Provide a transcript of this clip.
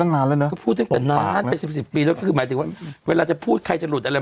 เขาบอกว่าตั้งนานแล้วเนอะตบปากเนอะก็พูดนั้นไป๑๐ปี